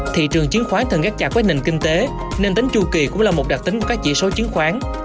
thị trường chiến khoán thường gắt chặt với nền kinh tế nên tính chu kỳ cũng là một đặc tính của các chỉ số chiến khoán